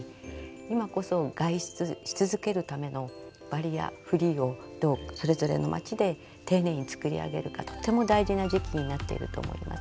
今こそ外出し続けるためのバリアフリーをどうそれぞれの町で丁寧に作り上げるかとても大事な時期になっていると思います。